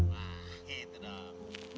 nah gitu dong